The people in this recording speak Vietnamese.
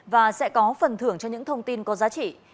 và sẽ có phần thưởng cho những thông tin có giá trị